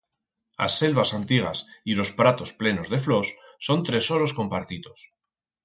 As selvas antigas y ros pratos plenos de flors son tresoros compartitos.